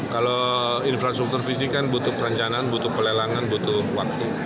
kalau infrastruktur fisik kan butuh perencanaan butuh pelelangan butuh waktu